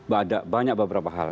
ada banyak beberapa hal